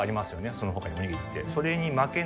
その他におにぎりって。